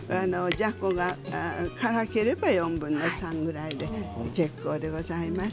じゃこが辛ければ４分の３で結構でございます。